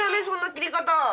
そんな切り方！